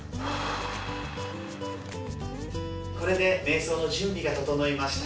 これでめい想の準備が整いました。